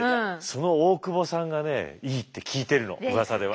その大窪さんがねいいって聞いてるのうわさでは。